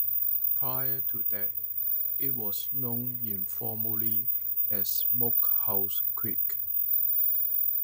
Prior to that, it was known informally as Smokehouse Creek.